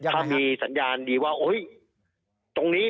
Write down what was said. ถ้ามีสัญญาณดีว่าตรงนี้